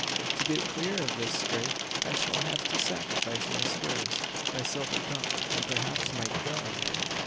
To get clear of this scrape I shall have to sacrifice my spurs, my silver cup, and perhaps my gun!"